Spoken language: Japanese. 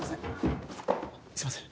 すいません。